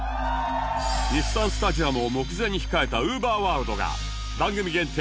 日産スタジアムを目前に控えた ＵＶＥＲｗｏｒｌｄ が番組限定